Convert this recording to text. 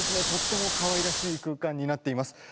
とってもかわいらしい空間になっています。